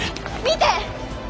見て！